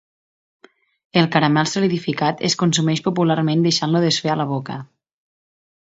El caramel solidificat es consumeix popularment deixant-lo desfer a la boca.